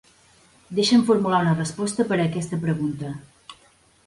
Deixa'm formular una resposta per a aquesta pregunta.